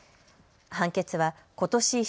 判決はことし